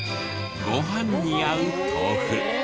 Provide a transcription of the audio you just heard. ご飯に合う豆腐。